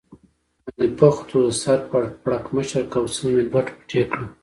باندې بوخت و، د سر پړکمشر کوسۍ مې دوه ټوټې کړه.